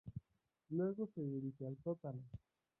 Luego se dirige al sótano.